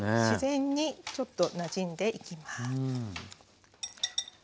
自然にちょっとなじんでいきます。